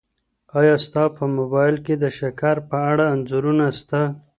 ایا ستا په موبایل کي د شکر په اړه انځورونه سته؟